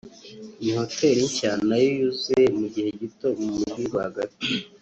ni hotel nshya nayo yuzuye mu gihe gito mu mujyi rwagati